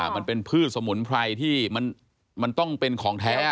มันเป็นพืชสมุนไพรที่มันต้องเป็นของแท้